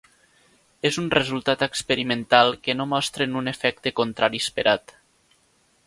És un resultat experimental que no mostren un efecte contrari esperat.